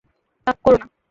রাগ কোরো না।